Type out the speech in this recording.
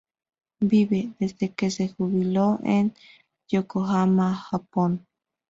Vive, desde que se jubiló, en Yokohama, Japón.